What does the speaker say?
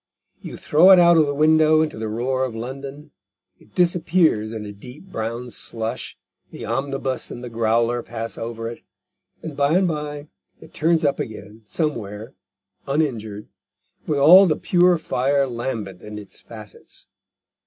You throw it out of the window into the roar of London, it disappears in a deep brown slush, the omnibus and the growler pass over it, and by and by it turns up again somewhere uninjured, with all the pure fire lambent in its facets.